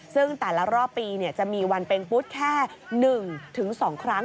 ซึ่งแต่ละรอบปีจะมีวันเป็งปุ๊ดแค่๑๒ครั้ง